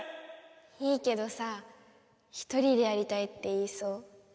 いいけどさひとりでやりたいって言いそう。